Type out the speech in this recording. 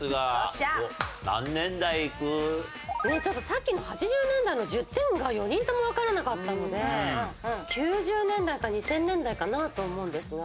さっきの８０年代の１０点が４人ともわからなかったので９０年代から２０００年代かなと思うんですが。